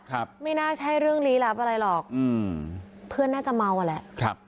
ไม่น่าใช่เรื่องลี้ลับอะไรหรอกอืมเพื่อนน่าจะเมาอ่ะแหละครับ